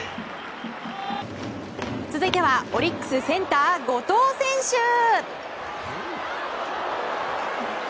続いてはオリックスセンター、後藤選手。